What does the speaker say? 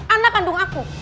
anak kandung aku